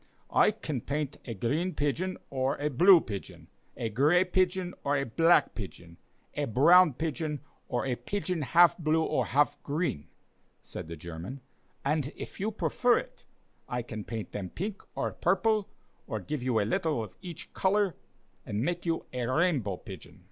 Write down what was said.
"I can paint a green pigeon or a blue pigeon, a gray pigeon or a black pigeon, a brown pigeon or a pigeon half blue or half green," said the German; "and if you prefer it, I can paint them pink or purple, or give you a little of each color, and make you a rainbow pigeon."